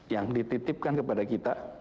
yang dititipkan kepada kita